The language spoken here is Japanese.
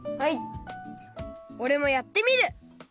おれもやってみる！